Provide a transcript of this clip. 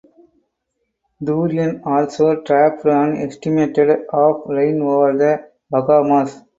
Dorian also dropped an estimated of rain over the Bahamas.